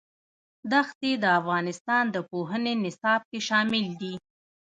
دښتې د افغانستان د پوهنې نصاب کې شامل دي.